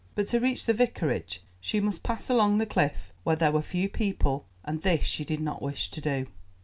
But to reach the Vicarage she must pass along the cliff, where there were few people, and this she did not wish to do.